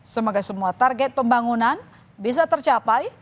semoga semua target pembangunan bisa tercapai